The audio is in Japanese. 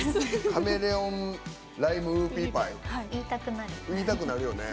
カメレオン・ライム・ウーピーパイ言いたくなるよね。